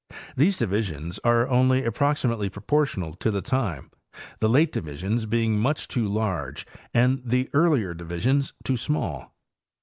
These divisions are only approximately proportional to the time, the late divisions being much too large and the earlier divisions too small.